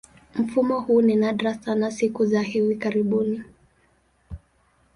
Mfumo huu ni nadra sana siku za hivi karibuni.